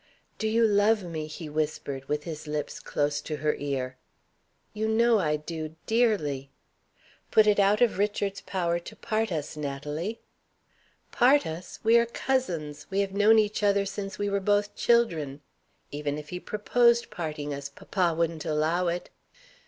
"Do you love me?" he whispered, with his lips close to her ear. "You know I do, dearly." "Put it out of Richard's power to part us, Natalie." "Part us? We are cousins: we have known each other since we were both children. Even if he proposed parting us, papa wouldn't allow it."